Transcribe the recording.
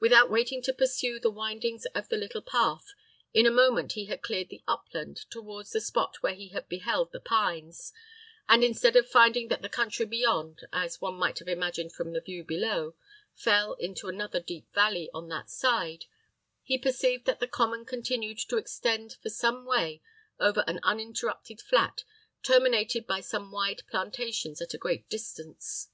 Without waiting to pursue the windings of the little path, in a moment he had cleared the upland, towards the spot where he had beheld the pines, and, instead of finding that the country beyond, as one might have imagined from the view below, fell into another deep valley on that side, he perceived that the common continued to extend for some way over an uninterrupted flat, terminated by some wide plantations at a great distance.